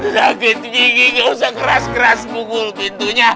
lagi tinggi nggak usah keras keras punggul pintunya